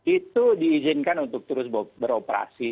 itu diizinkan untuk terus beroperasi